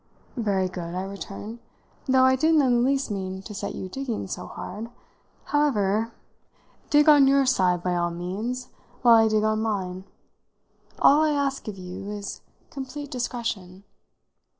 "Very good," I returned, "though I didn't in the least mean to set you digging so hard. However, dig on your side, by all means, while I dig on mine. All I ask of you is complete discretion."